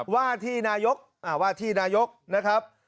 ว่าที่นายกนะครับ